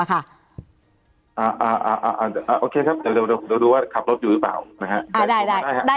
โอเคครับเดี๋ยวดูว่าขับรถอยู่หรือเปล่านะครับ